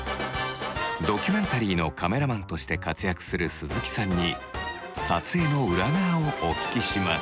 ドキュメンタリーのカメラマンとして活躍する鈴木さんに撮影の裏側をお聞きします。